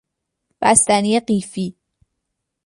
بستنی قیفی